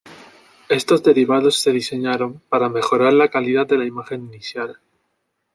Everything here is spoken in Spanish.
Estos derivados se diseñaron para mejorar la calidad de la imagen inicial.